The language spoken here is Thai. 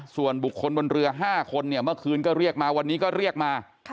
ส่วนบุคคลบนเรือ๕คนเนี่ยเมื่อคืนก็เรียกมาวันนี้ก็เรียกมา